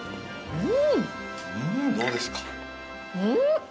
うん！